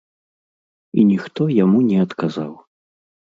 І ніхто яму не адказаў.